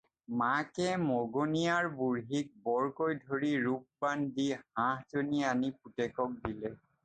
মাকে মগনিয়াৰ বুঢ়ীক বৰকৈ ধৰি ৰূপবান দি হাঁহজনী আনি পুতেকক দিলে।